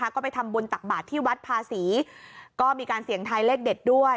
ก็ไปทำบุญตักบาทที่วัดภาษีก็มีการเสี่ยงทายเลขเด็ดด้วย